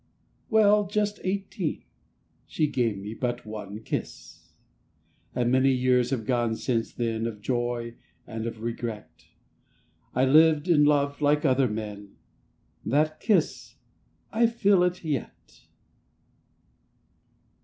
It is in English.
Well, just eighteen — She gave me but one kiss ... And many years have gone since then Of joy and of regret; I lived and loved like other men— That kiss—I feel it yet!